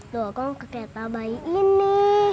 doang ke keta bayi ini